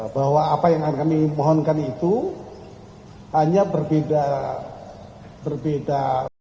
bahwa apa yang kami mohonkan itu hanya berbeda